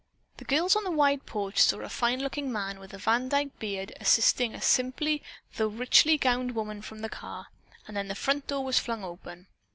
The girls on the wide porch saw a fine looking man with a Van Dyke beard assisting a simply though richly gowned woman from the car, then the front door was flung open!